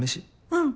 うん。